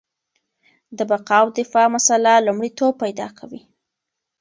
د بقا او دفاع مسله لومړیتوب پیدا کوي.